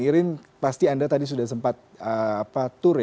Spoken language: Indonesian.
irin pasti anda tadi sudah sempat turis